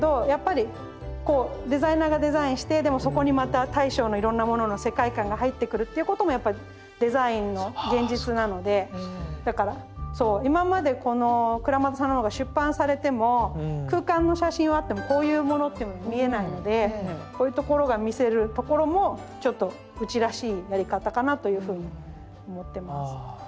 やっぱりこうデザイナーがデザインしてでもそこにまた大将のいろんなものの世界観が入ってくるっていうこともやっぱりデザインの現実なのでだからそう今までこの倉俣さんの本が出版されても空間の写真はあってもこういうものっていうのは見えないのでこういうところが見せるところもちょっとうちらしいやり方かなというふうに思ってます。